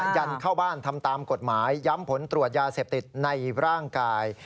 ยันเข้าบ้านทำตามกฎหมายย้ำผลตรวจยาเสพติดในร่างกาย